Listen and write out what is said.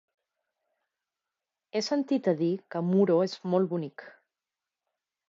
He sentit a dir que Muro és molt bonic.